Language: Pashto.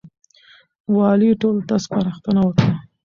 والي ټولو ته سپارښتنه وکړه.